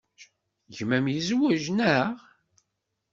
Gma-m yezwej, naɣ?